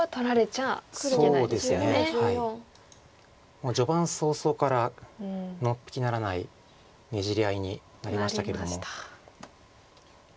もう序盤早々からのっぴきならないねじり合いになりましたけども。